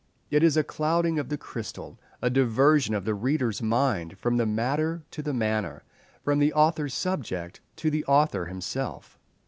It is a clouding of the crystal—a diversion of the reader's mind from the matter to the manner, from the author's subject to the author himself.